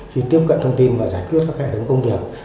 khi tiếp cận thông tin và giải quyết các hệ thống công việc